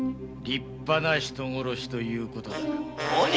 立派な人殺しということだ。